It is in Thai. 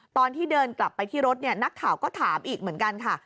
ตอนที่เดินกลับไปที่รถเนี่ยนักข่าวก็ถามอีกเหมือนกันค่ะ